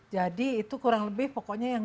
jadi itu kurang lebih pokoknya yang